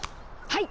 はい！